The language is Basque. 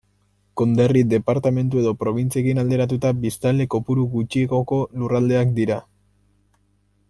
Konderri, departamendu edo probintziekin alderatuta biztanle kopuru gutxiagoko lurraldeak dira.